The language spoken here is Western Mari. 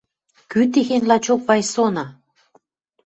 Кӱ техень, лачок, Вайсона?